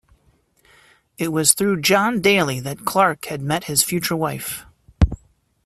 It was through John Daly that Clarke had met his future wife.